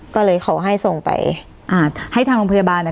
ก็เลยขอให้ส่งไปอ่าให้ทางโรงพยาบาลอ่ะ